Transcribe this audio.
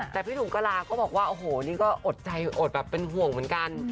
แต่พี่ถุงกระลาก็บอกว่าโอ้โหนี่ก็อดใจอดแบบเป็นห่วงเหมือนกัน